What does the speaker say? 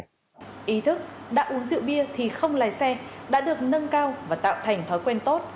ý thức đã uống rượu bia thì không lái xe đã được nâng cao và tạo thành thói quen tốt